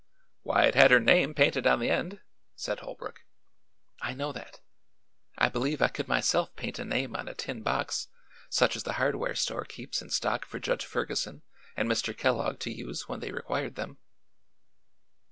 "Why, it had her name painted on the end," said Holbrook. "I know that. I believe I could myself paint a name on a tin box, such as the hardware store keeps in stock for Judge Ferguson and Mr. Kellogg to use when they required them."